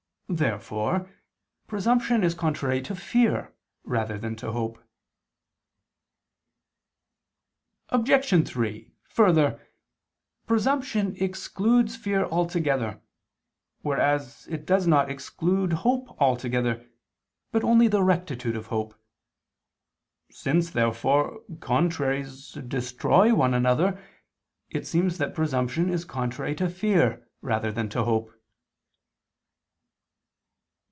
Therefore presumption is contrary to fear rather than to hope. Obj. 3: Further, presumption excludes fear altogether, whereas it does not exclude hope altogether, but only the rectitude of hope. Since therefore contraries destroy one another, it seems that presumption is contrary to fear rather than to hope.